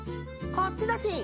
こっちだしん！